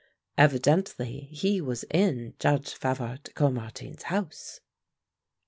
Evidently he was in Judge Favart de Caumartin's house.